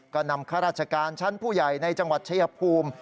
ก็นำข้าราชการชั้นผู้ใหญ่ในจังหวัดชายภูมิ